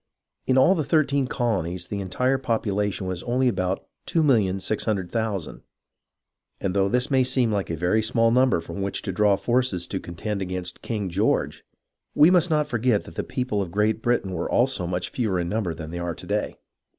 In all the thirteen colonies the entire popu lation was only about 2,600,000/ and though this may seem hke a very small number from which to draw forces to contend against King George, we must not forget that the people of Great Britain were also much fewer in number than they are to day.